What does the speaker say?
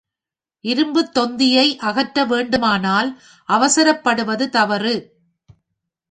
இரும்புத் தொந்தியை அகற்ற வேண்டுமானால் அவசரப்படுவது தவறு.